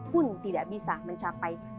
pun tidak bisa mencapai sembilan puluh persen